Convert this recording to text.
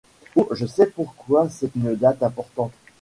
Oh je sais pourquoi c’est une date importante !